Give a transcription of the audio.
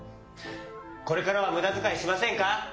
これからはむだづかいしませんか？